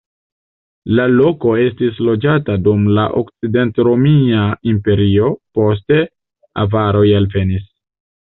La loko estis loĝata dum la Okcident-Romia Imperio, poste avaroj alvenis.